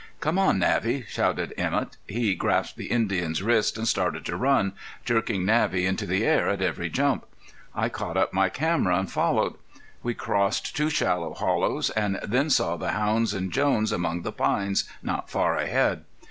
"Come on, Navvy," shouted Emett. He grasped the Indian's wrist and started to run, jerking Navvy into the air at every jump. I caught up my camera and followed. We crossed two shallow hollows, and then saw the hounds and Jones among the pines not far ahead.